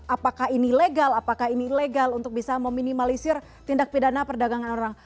apakah ini legal apakah ini ilegal untuk bisa meminimalisir tindak pidana perdagangan orang